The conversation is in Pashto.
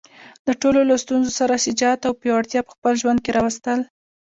د ټولو له ستونزو سره شجاعت او پیاوړتیا په خپل ژوند کې راوستل.